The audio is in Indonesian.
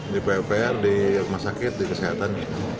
di pupr di rumah sakit di kesehatan